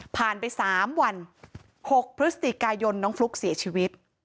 ไป๓วัน๖พฤศจิกายนน้องฟลุ๊กเสียชีวิต